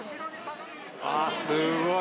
あー、すごい。